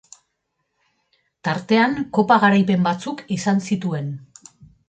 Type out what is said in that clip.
Tartean kopa garaipen batzuk izan zituen.